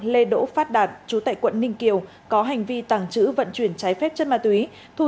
lê đỗ phát đạt trú tại quận ninh kiều có hành vi tàng trữ vận chuyển trái phép chất ma túy